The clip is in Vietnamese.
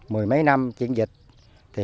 mười mấy năm chuyển dịch thì